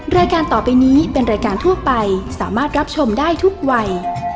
รายการต่อไปนี้เป็นรายการทั่วไปสามารถรับชมได้ทุกวัย